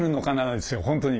ですよ本当に。